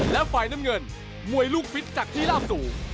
และฝ่ายน้ำเงินมวยลูกฟิตจากที่ลาบตู่